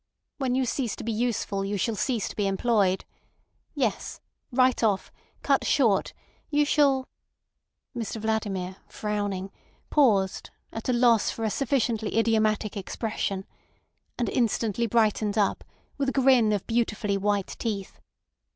"When you cease to be useful you shall cease to be employed. Yes. Right off. Cut short. You shall—" Mr Vladimir, frowning, paused, at a loss for a sufficiently idiomatic expression, and instantly brightened up, with a grin of beautifully white teeth.